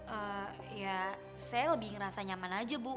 eh ya saya lebih ngerasa nyaman aja bu